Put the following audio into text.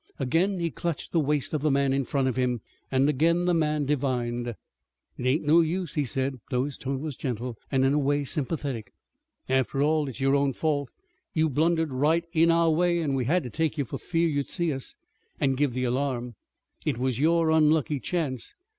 Again he clutched the waist of the man in front of him and again the man divined. "It ain't no use," he said, although his tone was gentle, and in a way sympathetic. "After all, it's your own fault. You blundered right in our way, an' we had to take you for fear you'd see us, an' give the alarm. It was your unlucky chance.